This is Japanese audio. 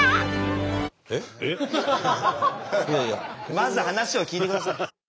まず話を聞いてください。